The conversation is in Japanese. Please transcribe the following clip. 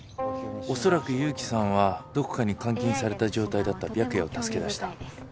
恐らく勇気さんはどこかに監禁された状態だった白夜を助けだした。